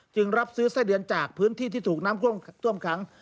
รับซื้อไส้เดือนจากพื้นที่ที่ถูกน้ำท่วมขัง